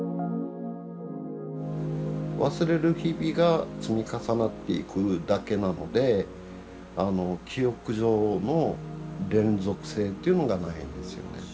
忘れる日々が積み重なっていくだけなので記憶上の連続性っていうのがないんですよね。